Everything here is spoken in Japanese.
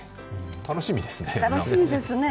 楽しみですね。